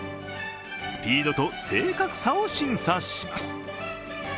スピードと正確さを審査します。